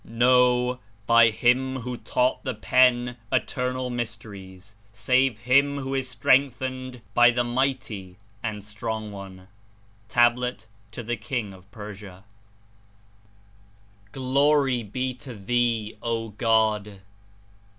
No, by Him who taught the Pen eternal mysteries, save him who is strengthened by the Mighty and Strong One." (Tab. to King of Persia) *'Glory be to Thee, O God